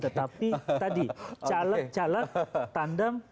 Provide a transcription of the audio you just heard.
tetapi tadi caleg caleg tandang